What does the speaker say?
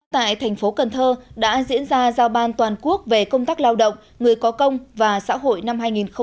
tại thành phố cần thơ đã diễn ra giao ban toàn quốc về công tác lao động người có công và xã hội năm hai nghìn một mươi chín